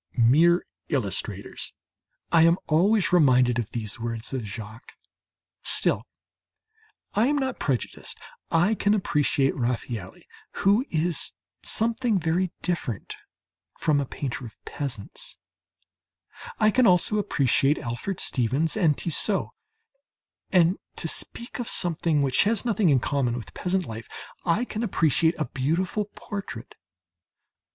"Mere illustrators!" I am always reminded of these words of Jacques. Still, I am not prejudiced; I can appreciate Raffaëlli, who is something very different from a painter of peasants; I can also appreciate Alfred Stevens and Tissot. And, to speak of something which has nothing in common with peasant life, I can appreciate a beautiful portrait.